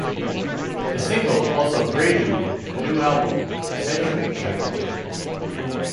The single also preluded a new album, "Century Child".